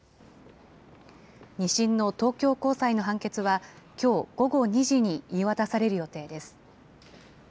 ２審の東京高裁の判決は、きょう午後２時に言い渡される予定です。